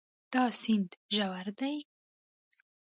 دا سیند ژور ده